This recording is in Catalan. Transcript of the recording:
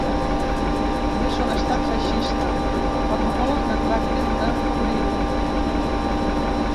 És un estat feixista, per molt que tractin d’encobrir-ho.